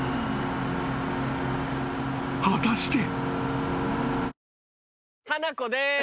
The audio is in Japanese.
［果たして］